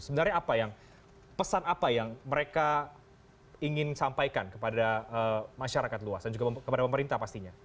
sebenarnya apa yang pesan apa yang mereka ingin sampaikan kepada masyarakat luas dan juga kepada pemerintah pastinya